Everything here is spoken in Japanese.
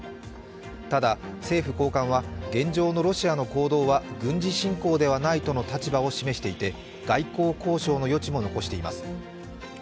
ただ、政府高官は現状のロシアの行動は軍事侵攻ではないとの立場を示していて、外交交渉の余地も残しています。